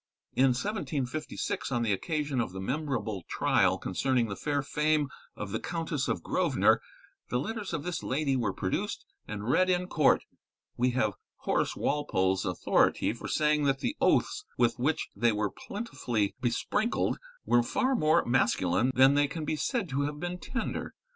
In 1756 on the occasion of the memorable trial concerning the fair fame of the Countess of Grosvenor, the letters of this lady were produced and read in court. We have Horace Walpole's authority for saying that the oaths with which they were plentifully besprinkled were far more masculine than they can be said to have been tender.